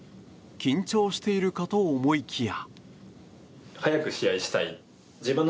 緊張しているかと思いきや。